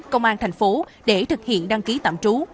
công an tp hcm để thực hiện đăng ký tạm trú